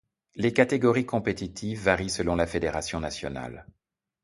Les catégories compétitives varient selon la fédération nationale.